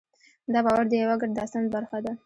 دا باور د یوه ګډ داستان برخه ده.